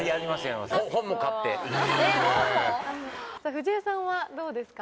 藤江さんはどうですか？